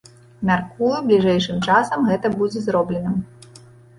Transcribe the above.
Мяркую, бліжэйшым часам гэта будзе зроблена.